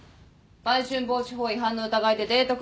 売春防止法違反の疑いでデート